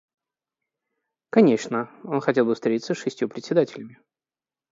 Конечно, он хотел бы встретиться с шестью председателями.